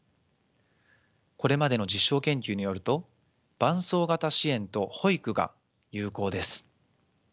これまでの実証研究によると伴走型支援と保育が有効です。